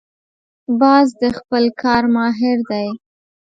باز د خپل کار ماهر دی